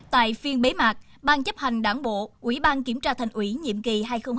tại phiên bế mạc ban chấp hành đảng bộ ủy ban kiểm tra thành ủy nhiệm kỳ hai nghìn hai mươi hai nghìn hai mươi năm